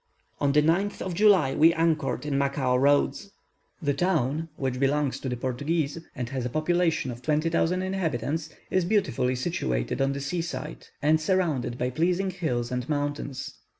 On the 9th of July we anchored in Macao Roads. The town, which belongs to the Portuguese, and has a population of 20,000 inhabitants, is beautifully situated on the sea side, and surrounded by pleasing hills and mountains.